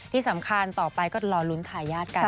ที่สำคัญต่อไปก็รอลุ้นทายาทกัน